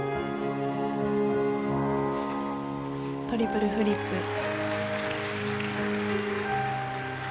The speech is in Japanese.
トリプルフリップ。